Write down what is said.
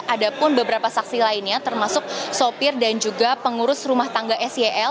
ada pun beberapa saksi lainnya termasuk sopir dan juga pengurus rumah tangga sel